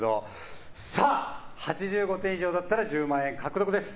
さあ、８５点以上だったら１０万円獲得です。